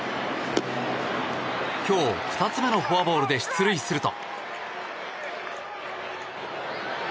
今日２つ目のフォアボールで出塁すると。